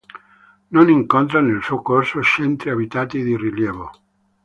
Non incontra, nel suo corso, centri abitati di rilievo.